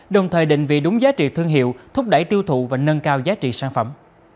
đồng thời định vị đúng giá trị thương hiệu thúc đẩy tiêu thụ và nâng cao giá trị sản phẩm